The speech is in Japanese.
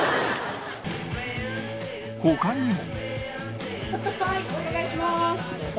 他にも